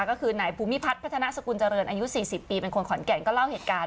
ก็คือนายภูมิพัฒน์พัฒนาสกุลเจริญอายุ๔๐ปีเป็นคนขอนแก่นก็เล่าเหตุการณ์